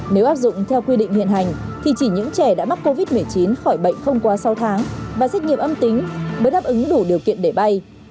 nếu áp dụng theo quy định hiện hành thì chỉ những trẻ đã mắc covid một mươi chín khỏi bệnh không quá sáu tháng và xét nghiệm âm tính mới đáp ứng đủ điều kiện để bay